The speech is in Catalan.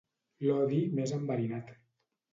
L'odi més enverinat.